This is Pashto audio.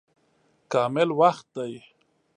کامل وخت دی.